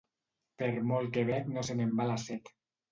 Per molt que bec no se me'n va la set.